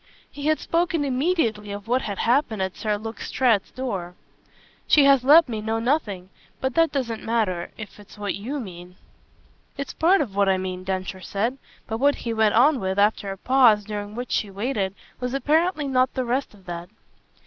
He had spoken immediately of what had happened at Sir Luke Strett's door. "She has let me know nothing. But that doesn't matter if it's what YOU mean." "It's part of what I mean," Densher said; but what he went on with, after a pause during which she waited, was apparently not the rest of that.